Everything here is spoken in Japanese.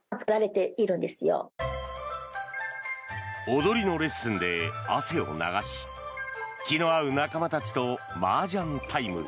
踊りのレッスンで汗を流し気の合う仲間たちとマージャンタイム。